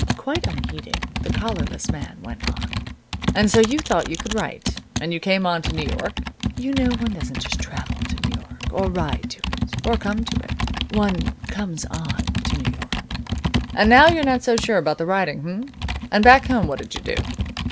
Quite unheeding, the collarless man went on, "And so you thought you could write, and you came on to New York (you know one doesn't just travel to New York, or ride to it, or come to it; one 'comes on' to New York), and now you're not so sure about the writing, h'm? And back home what did you do?"